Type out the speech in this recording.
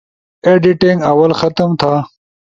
ایڈیٹینگ آول ختم تھا